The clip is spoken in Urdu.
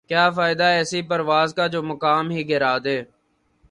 کیا فائدہ ایسی پرواز کا جومقام ہی گِرادے